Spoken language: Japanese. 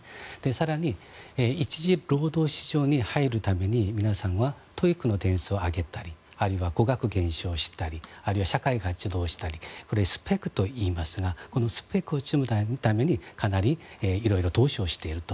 更に、１次労働市場に入るために皆さんはＴＯＥＩＣの点数を上げたりあるいは語学研修をしたりあるいは社会活動をしたりスペックといいますがこのスペックを積むためにいろいろ投資をしていると。